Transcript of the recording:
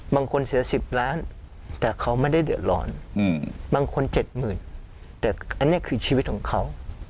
บางคนเสีย๑๐ล้านแต่เขาไม่ได้เดือดร้อนบางคน๗๐๐๐แต่อันนี้คือชีวิตของเขา